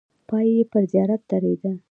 پای یې پر زیارت درېده.